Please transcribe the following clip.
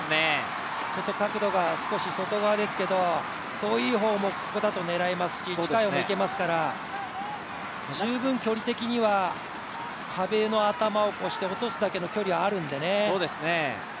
ちょっと角度が少し外側ですけど、遠い方だと、ここだと狙えますし、近い方もいけますから、十分距離的には壁の頭を越して落とすだけの距離はあるんでね。